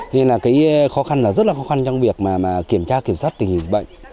nên là cái khó khăn là rất là khó khăn trong việc mà kiểm tra kiểm soát tình hình dịch bệnh